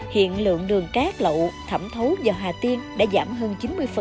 hiện lượng đường cát lậu thẩm thấu do hà tiên đã giảm hơn chín mươi